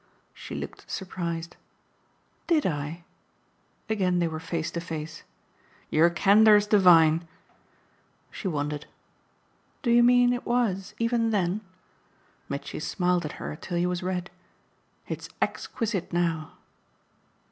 She looked surprised. "DID I?" Again they were face to face. "Your candour's divine!" She wondered. "Do you mean it was even then?" Mitchy smiled at her till he was red. "It's exquisite now."